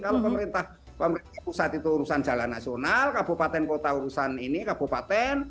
kalau pemerintah pusat itu urusan jalan nasional kabupaten kota urusan ini kabupaten